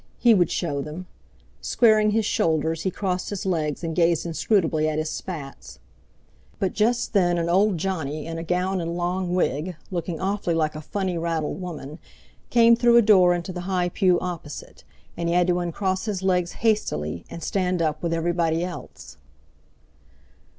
He would show them! Squaring his shoulders, he crossed his legs and gazed inscrutably at his spats. But just then an "old Johnny" in a gown and long wig, looking awfully like a funny raddled woman, came through a door into the high pew opposite, and he had to uncross his legs hastily, and stand up with everybody else.